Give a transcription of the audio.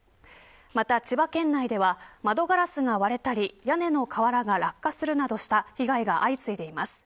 また千葉県内では窓ガラスが割れたり屋根の瓦が落下するなどした被害が相次いでいます。